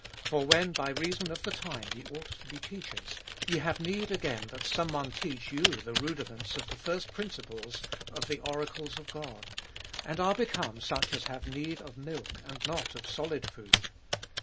12. For when by reason of the time ye ought to be teachers, ye have need again that some one teach you the rudiments of the first principles l of the oracles of God ; and are become such as have need of milfc, and not of solid food.